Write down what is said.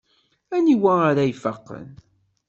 Aniwa ara ifaqen?